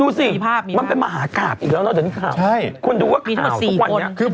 ดูสิเหมือนเป็นมหากาศอีกแล้วนะ